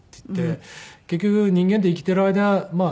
結局人間って生きている間まあ